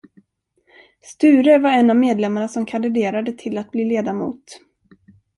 Sture var en av medlemmarna som kandiderade till att bli ledamot.